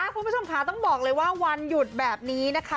คุณผู้ชมค่ะต้องบอกเลยว่าวันหยุดแบบนี้นะคะ